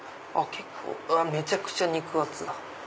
結構めちゃくちゃ肉厚だ。